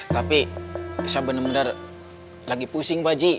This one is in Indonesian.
tapi saya bener bener lagi pusing baji